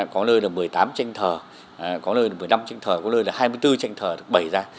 có nơi là một mươi tám tranh thờ có nơi là một mươi năm tranh thờ có nơi là hai mươi bốn tranh thờ bảy ra